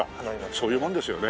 そういうもんですよね。